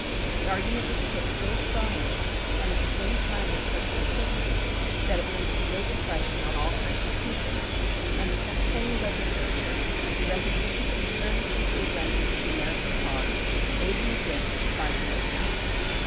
The argument was put so strongly, and at the same time with such simplicity, that it made a great impression on all kinds of people, and the Pennsylvania legislature, in recognition of the services he had rendered to the American cause, made him a gift of five hundred pounds.